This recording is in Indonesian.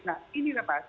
nah ini rapat